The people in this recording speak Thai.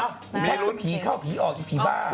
ไอ้มีรุนก็ทำสิคนเข้าพีชออกพีชบ้า